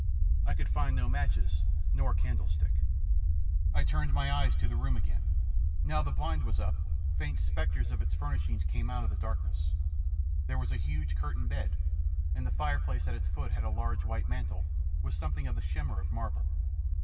I could find no matches nor candle stick. I turned my eyes to the room again. Now the blind was up, faint spectres of its furnishing came out of the darkness. There was a huge curtained 62 THE PLATTNER STORY AND OTHERS bed, and the fireplace at its foot had a large white mantel with something of the shimmer of marble.